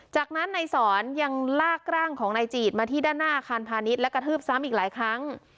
จากนั้นนายสอนยังลากร่างของนายจีดมาที่ด้านหน้าอาคารพาณิชย์และกระทืบซ้ำอีกหลายครั้ง